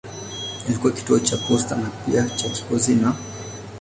Ilikuwa kituo cha posta na pia cha kikosi na.